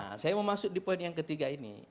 nah saya mau masuk di poin yang ketiga ini